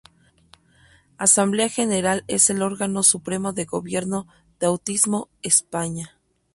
Asamblea General es el órgano supremo de gobierno de Autismo España.